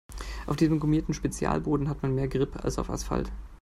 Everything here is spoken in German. Auf diesem gummierten Spezialboden hat man mehr Grip als auf Asphalt.